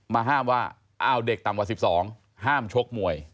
ห้ามว่าอ้าวเด็กต่ำกว่า๑๒ห้ามชกมวย